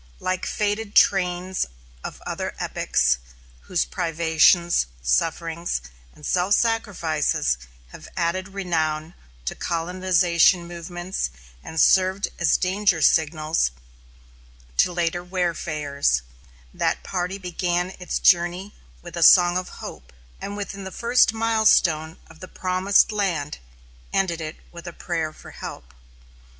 Like fated trains of other epochs whose privations, sufferings, and self sacrifices have added renown to colonization movements and served as danger signals to later wayfarers, that party began its journey with song of hope, and within the first milestone of the promised land ended it with a prayer for help.